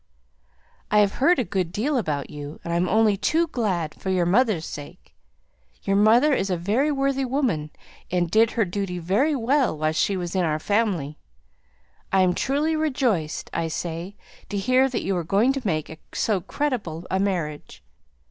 "I have heard a good deal about you; and I am only too glad, for your mother's sake, your mother is a very worthy woman, and did her duty very well while she was in our family I am truly rejoiced, I say, to hear that you are going to make so creditable a marriage.